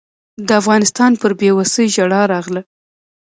د افغانستان پر بېوسۍ ژړا راغله.